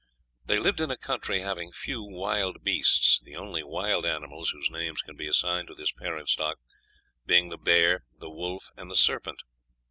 They lived in a country having few wild beasts; the only wild animals whose names can be assigned to this parent stock being the bear, the wolf, and the serpent.